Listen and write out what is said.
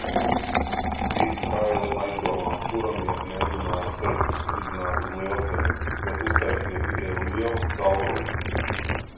Divi kaili aizdomās turamie mēģināja sevi uzspridzināt uz lielceļa, bet uztaisīja tikai lielu caurumu.